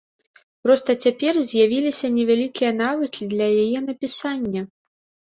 Проста цяпер з'явіліся невялікія навыкі для яе напісання.